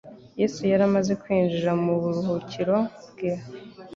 Yesu yari amaze kwinjira mu buruhukiro bwe.